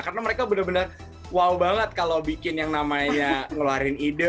karena mereka bener bener wow banget kalau bikin yang namanya ngeluarin ide